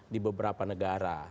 di beberapa negara